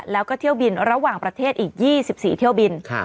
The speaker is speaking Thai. แล้วก็เที่ยวบินระหว่างประเทศอีก๒๔เที่ยวบิน